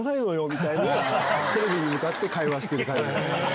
みたいのをテレビに向かって会話してる感じ。